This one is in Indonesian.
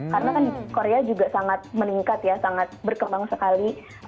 karena kan di korea juga sangat meningkat ya sangat berkembang sekali